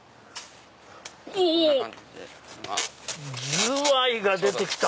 ズワイが出て来た。